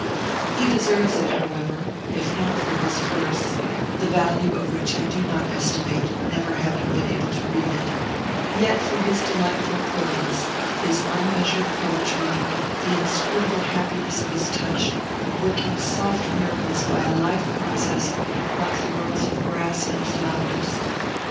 He deserves it, however, if not for his verse (the value of which I do not estimate, never having been able to read it), yet for his delightful prose, his unmeasured poetry, the inscrutable happiness of his touch, working soft miracles by a life process like the growth of grass and flowers.